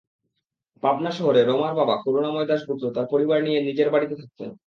পাবনা শহরে রমার বাবা করুণাময় দাশগুপ্ত তাঁর পরিবার নিয়ে নিজের বাড়িতে থাকতেন।